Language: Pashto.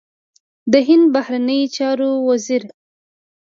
د هند بهرنیو چارو وزیر